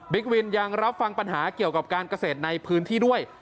วินยังรับฟังปัญหาเกี่ยวกับการเกษตรในพื้นที่ด้วย